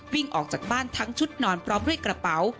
วิ่งออกจากบ้านทั้งชุดนอนพร้อมด้วยกระเป๋า